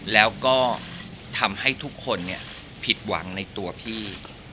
แล้วก็ทำให้ทุกคนผิดหวังในตัวพี่